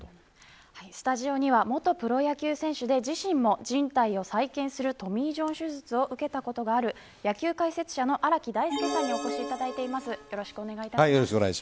スタジオには元プロ野球選手で自身も靱帯を再建するトミー・ジョン手術を受けたことがある野球解説者の荒木大輔さんにお越しいただいています。